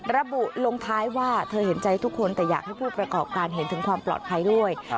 ระบุลงท้ายว่าเธอเห็นใจทุกคนแต่อยากให้ผู้ประกอบการเห็นถึงความปลอดภัยด้วย